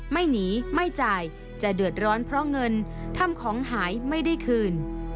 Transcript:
ไม่หนีไม่จ่ายจะเดือดร้อนเพราะเงินทำของหายไม่ได้คืน